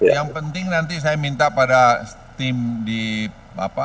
yang penting nanti saya minta pada tim di bapak